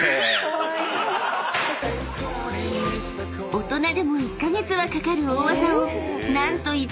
［大人でも１カ月はかかる］